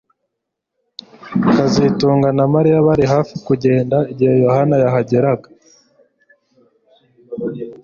kazitunga na Mariya bari hafi kugenda igihe Yohana yahageraga